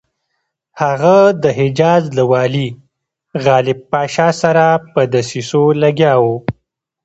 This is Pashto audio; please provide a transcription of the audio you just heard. هغه د حجاز له والي غالب پاشا سره په دسیسو لګیا وو.